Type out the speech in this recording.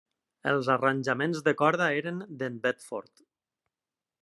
Els arranjaments de corda eren d'en Bedford.